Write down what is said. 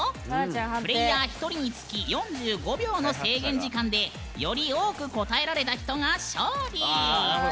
プレイヤー１人につき４５秒の制限時間でより多く答えられた人が勝利。